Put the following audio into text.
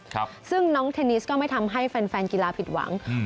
ครับซึ่งน้องเทนนิสก็ไม่ทำให้แฟนแฟนกีฬาผิดหวังอืม